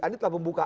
andi telah membuka